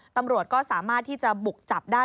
ตำรวจก็สามารถที่จะบุกจับได้